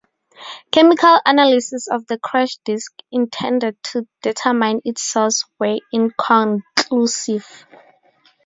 Chemical analyses of the crash disk intended to determine its source were inconclusive.